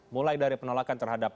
mulai dari penolakan terhadap